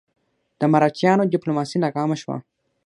د مرهټیانو ډیپلوماسي ناکامه شوه.